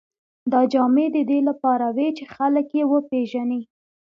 دا جامې د دې لپاره وې چې خلک یې وپېژني.